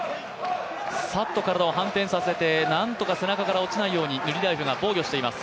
さっと体を反転させてなんとか背中から落ちないようにヌリラエフが防御しています。